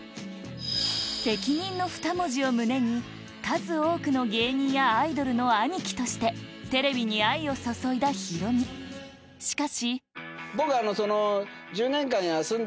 責任の２文字を胸に数多くの芸人やアイドルの兄貴としてテレビに愛を注いだヒロミしかし僕その。